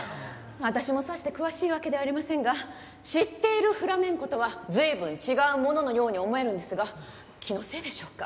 私もさして詳しいわけではありませんが知っているフラメンコとは随分違うもののように思えるんですが気のせいでしょうか？